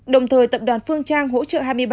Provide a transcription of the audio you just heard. đồng thời tập đoàn phương trang hỗ trợ